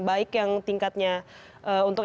baik yang tingkatnya untuk